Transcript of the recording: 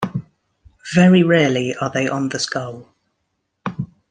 Very rarely are they on the skull.